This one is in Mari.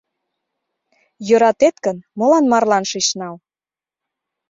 — Йӧратет гын, молан марлан шыч нал?